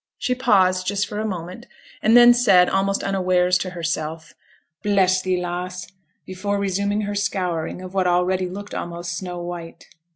She paused just for a moment, and then said, almost unawares to herself, 'Bless thee, lass,' before resuming her scouring of what already looked almost snow white.